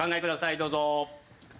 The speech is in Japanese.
どうぞ。